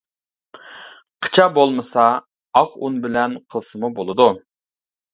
قىچا بولمىسا، ئاق ئۇن بىلەن قىلسىمۇ بولىدۇ.